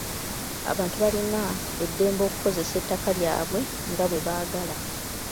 Abantu balina eddembe okukozesa ettaka lyabwe nga bwe baagala.